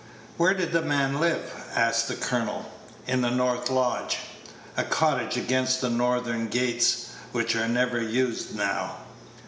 "Where did the man live?" asked the colonel. "In the north lodge. A cottage against the northern gates, which are never used now."